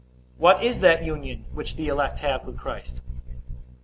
What is that union which the elect have with Christ?